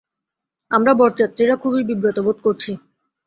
আমরা বরযাত্রীরা খুবই বিব্রত বোধ করছি।